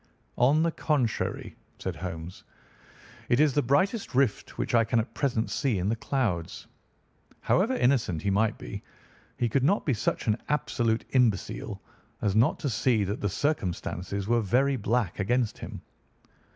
"On the contrary," said Holmes, "it is the brightest rift which I can at present see in the clouds. However innocent he might be, he could not be such an absolute imbecile as not to see that the circumstances were very black against him.